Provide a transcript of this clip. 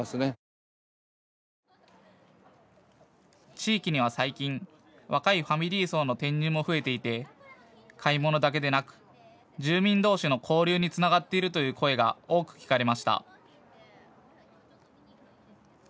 地域には最近若いファミリー層の転入も増えていて買い物だけでなく住民同士の交流につながっているという声が多く聞かれました。